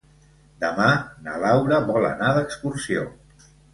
Demà na Laura vol anar d'excursió.